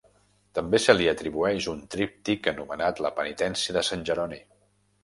També se li atribueix un tríptic anomenat "La penitència de Sant Jeroni".